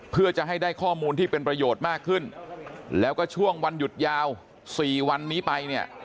เพื่อจะให้ได้ข้อมูลที่เป็นประโยชน์มากขึ้นแล้วก็ช่วงวันหยุดยาวสี่วันนี้ไปเนี่ย